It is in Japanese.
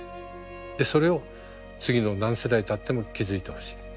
でそれを次の何世代たっても気付いてほしい。